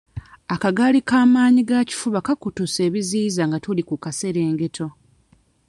Akagaali ka maanyigakifuba kaakutuse ebiziyiza nga tuli ku kaserengeto.